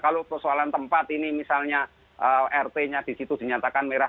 kalau persoalan tempat ini misalnya rt nya di situ dinyatakan merah